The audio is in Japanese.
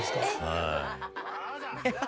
はい。